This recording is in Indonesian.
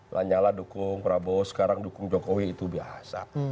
lanyala dukung prabowo sekarang dukung jokowi itu biasa